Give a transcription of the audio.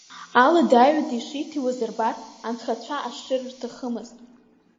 Алада-аҩада ишиҭиуаз рбар, анхацәа ашшыр рҭахымызт.